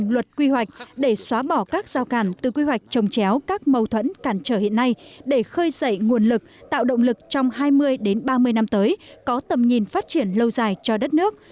bọn quốc gia có thể tạo ra một manera để giúp các mâu thuẫn cản trở hiện nay để khơi sảy nguồn lực tạo động lực trong hai mươi đến ba mươi năm tới có tầm nhìn phát triển lâu dài cho đất nước